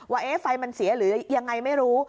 ว่าไฟมันเสียหรือยังไงไม่รู้